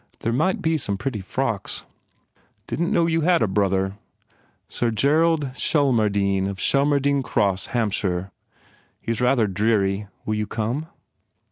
There might be some pretty frocks." "Didn t know you had a brother!" "Sir Gerald Shelmardine of Shelmardine Cross, Hampshire. He s rather dreary. Will you come?"